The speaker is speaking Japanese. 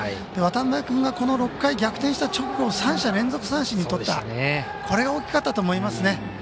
渡邊君が６回逆転した直後３者連続三振をとったこれが大きかったと思いますね。